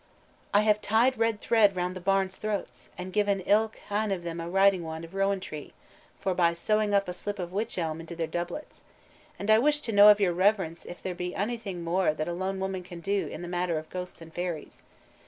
"I have tied red thread round the bairns' throats, and given ilk ane of them a riding wand of rowan tree, forbye sewing up a slip of witch elm into their doublets; and I wish to know of your reverence if there be onything mair that a lone woman can do in the matter of ghosts and fairies?